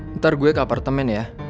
ntar gue ke apartemen ya